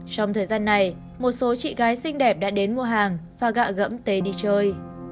trong thời gian này một số chị gái xinh đẹp đã đến mua hàng và gạ gẫm tế đi chơi